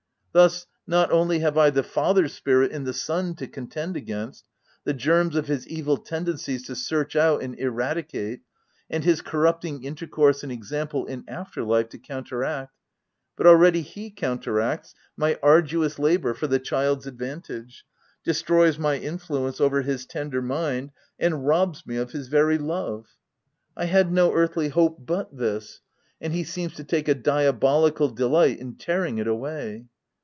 Thus, not only have I the father's spirit in the son to contend against, the germs of his evil tendencies to search out and irradicate, and his corrupting intercourse and example in after life to counteract, but already he counteracts my arduous labour for the child's advantage, destroys my influence over his tender mind* and robs me of his very love; — I had no earthly hope but this, and he seems to take a diabolical delight in tearing it away.